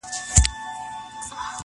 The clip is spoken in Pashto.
جهاني به له لکړي سره ځوان سي!! !!